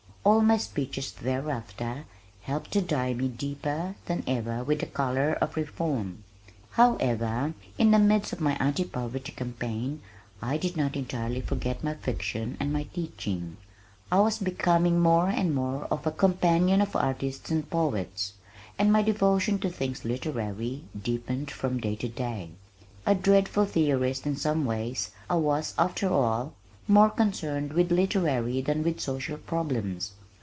All my speeches thereafter helped to dye me deeper than ever with the color of reform. However, in the midst of my Anti Poverty Campaign, I did not entirely forget my fiction and my teaching. I was becoming more and more a companion of artists and poets, and my devotion to things literary deepened from day to day. A dreadful theorist in some ways, I was, after all, more concerned with literary than with social problems.